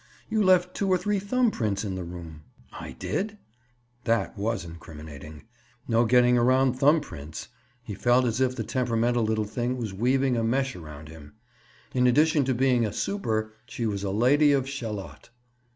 You left two or three thumb prints in the room." "I did?" That was incriminating. No getting around thumb prints! He felt as if the temperamental little thing was weaving a mesh around him. In addition to being a "super," she was a Lady of Shalott.